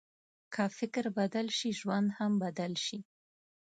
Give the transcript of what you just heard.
که فکر بدل شي، ژوند هم بدل شي.